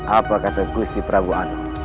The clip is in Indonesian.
apa kata gusti prabu anu